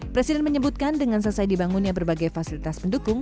presiden menyebutkan dengan selesai dibangunnya berbagai fasilitas pendukung